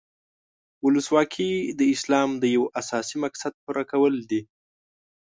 ولسواکي د اسلام د یو اساسي مقصد پوره کول دي.